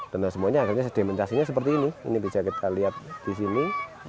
danau semuanya agaknya sedementasinya seperti ini ini bisa kita lihat di sini